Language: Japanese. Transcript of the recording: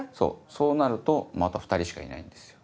そうなるとあとは２人しかいないんですよ。